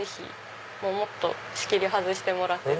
もっと仕切りを外してもらって。